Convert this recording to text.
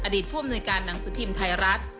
ผู้อำนวยการหนังสือพิมพ์ไทยรัฐ